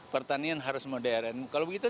pertanian harus modern kalau begitu